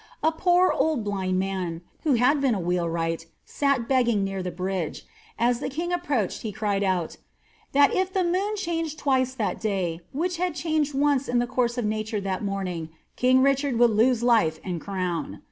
A poor old blind man, who had been a wheelwright, sat begging near the bridge; as the king approached he cried out, ^ that if the moon changed twice that day, which had changed once in the course of nature that morning, king Richard would lose life and crown.''